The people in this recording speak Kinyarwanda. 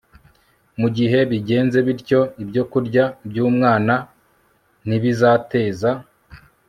Mu gihe bigenze bityo ibyokurya byumwana ntibizateza